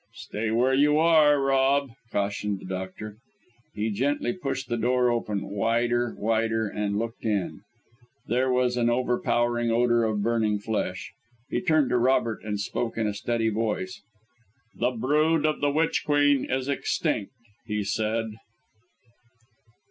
"Stay where you are, Rob!" cautioned the doctor. He gently pushed the door open wider wider and looked in. There was an overpowering odour of burning flesh. He turned to Robert, and spoke in a steady voice. "The brood of the Witch Queen is extinct!" he said.